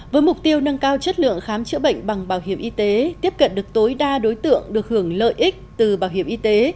với mục tiêu nâng cao chất lượng khám chữa bệnh bằng bảo hiểm y tế tiếp cận được tối đa đối tượng được hưởng lợi ích từ bảo hiểm y tế